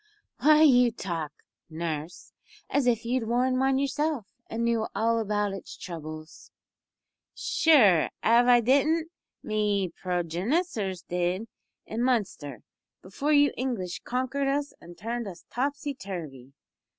"Why you talk, nurse, as if you had worn one yourself, and knew all about its troubles." "Sure, av I didn't, me progenissors did, in Munster, before you English konkered us an' turned us topsy turvy.